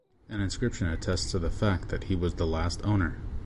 An inscription attests to the fact that he was the last owner.